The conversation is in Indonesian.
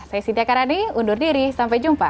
saya siti akarani undur diri sampai jumpa